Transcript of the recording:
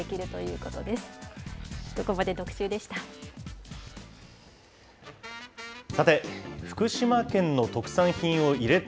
ここまで特集でした。